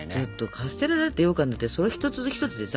カステラだってようかんだってそれ一つ一つでさ